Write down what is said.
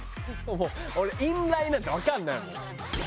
俺「インライ」なんてわかんないもん。